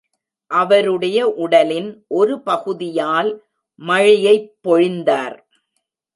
அவருடைய உடலின் ஒரு பகுதியால் மழையைப் பொழிந்தார்.